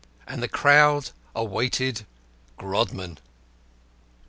And the crowd awaited Grodman.